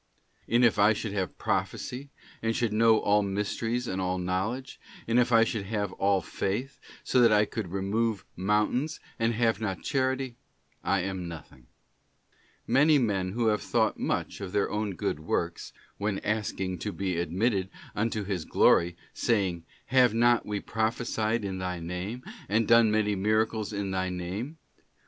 And if I should have prophecy, and should know all mysteries and all knowledge, and if I should have all faith, so that I could remove mountains, and have not Charity, I am nothing.'* Many men who have thought much of their own good works, when asking to be admitted unto His glory, saying, 'Have not we prophesied in Thy name... and done many miracles in Thy name?